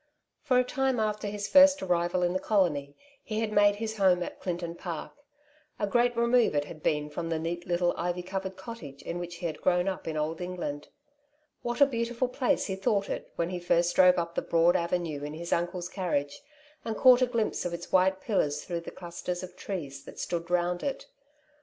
For a time after his first arrival in the colony, he had made his home at Clinton Park. A great remove it had been from the neat little ivy covered cottage in which he had grown up in Old England. What a beautiful place he thought it when he first drove up the broad avenue in his uncle's carriage, and caught a glimpse of its white pillars through the clusters of trees that stood round it